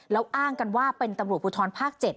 แล้วอ้างกันว่าเป็นตำรวจภูทรภาค๗